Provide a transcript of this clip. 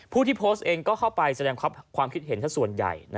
ผู้ที่โพสต์เองก็เข้าไปแสดงความคิดเห็นส่วนใหญ่